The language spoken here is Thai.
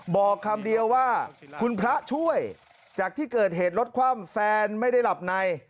บอกคำเดียวว่าคุณพระช่วยจากที่เกิดเหตุรถคว่ำแฟนไม่ได้หลับใน